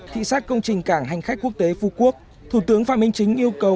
thị sát công trình cảng hành khách quốc tế phú quốc thủ tướng phạm minh chính yêu cầu